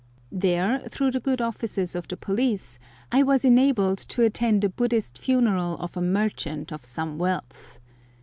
There, through the good offices of the police, I was enabled to attend a Buddhist funeral of a merchant of some wealth.